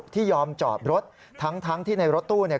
ที่ยอมจอดรถทั้งที่ในรถตู้เนี่ย